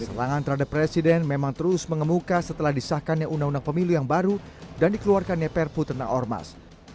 selang antara presiden memang terus mengemuka setelah disahkannya undang undang pemilu yang baru dan dikeluarkan neper puterna ormas